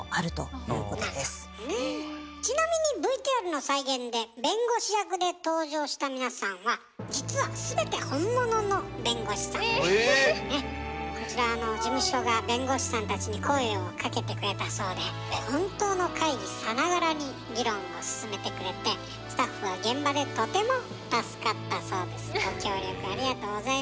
ちなみにＶＴＲの再現で弁護士役で登場した皆さんは実はこちらは事務所が弁護士さんたちに声をかけてくれたそうで本当の会議さながらに議論を進めてくれてスタッフは現場でとても助かったそうです。